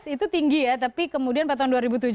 itu tinggi ya tapi kemudian pada tahun